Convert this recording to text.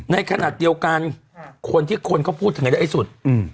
ในขนาดเดียวกันคนที่คนเขาพูดถึงอย่างได้ที่สุด